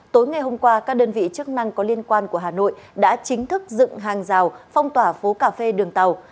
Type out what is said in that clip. tối ngày hôm qua các đơn vị chức năng có liên quan của hà nội đã chính thức dựng hàng rào phong tỏa phố cà phê đường tàu